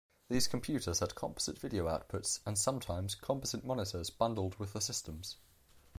These computers had composite video outputs, and sometimes composite monitors bundled with the systems.